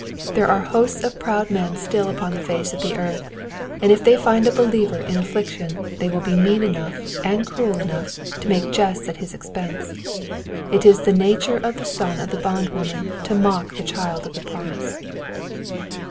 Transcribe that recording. There are hosts of proud men still upon the face of the earth, and if they find a believer in affliction they will be mean enough and cruel enough to make jests at his expense. It is the nature of the son of the bondwoman to mock the child of the promise.